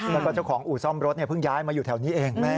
แล้วก็เจ้าของอู่ซ่อมรถพึ่งย้ายมาตรงนี้เอง